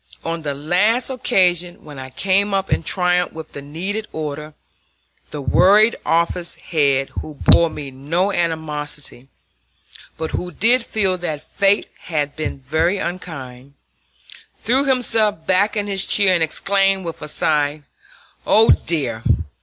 On the last occasion, when I came up in triumph with the needed order, the worried office head, who bore me no animosity, but who did feel that fate had been very unkind, threw himself back in his chair and exclaimed with a sigh: "Oh, dear!